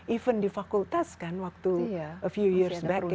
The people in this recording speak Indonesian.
even di fakultas kan waktu a few years back ya